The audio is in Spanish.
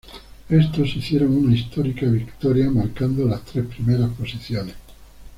Estos hicieron una histórica victoria marcando las tres primeras posiciones.